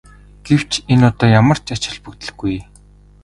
Гэвч энэ одоо ямар ч ач холбогдолгүй.